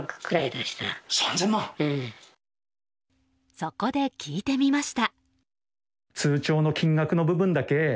そこで聞いてみました。